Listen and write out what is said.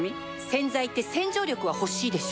洗剤って洗浄力は欲しいでしょ